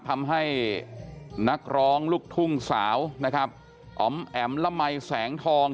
ทำให้นักร้องลูกทุ่งสาวอ๋อ๋อำหละไหมแสงทอง